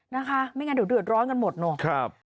นะคะไม่งั้นเดี๋ยวเดือดร้อนกันหมดเนอะ